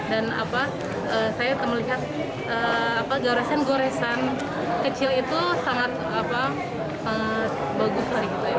dan saya melihat goresan goresan kecil itu sangat bagus